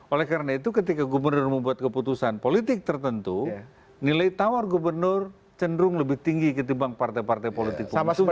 oleh karena itu ketika gubernur membuat keputusan politik tertentu nilai tawar gubernur cenderung lebih tinggi ketimbang partai partai politik